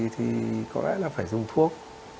thì có lẽ là phải dùng thuốc